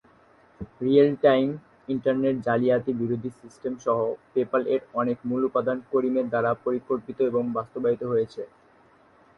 Real-time internet জালিয়াতি বিরোধী system সহ পেপ্যাল এর অনেক মূল উপাদান করিমের দ্বারা পরিকল্পিত এবং বাস্তবায়িত হয়েছে।